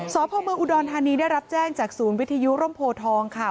สพเมืองอุดรธานีได้รับแจ้งจากศูนย์วิทยุร่มโพทองค่ะ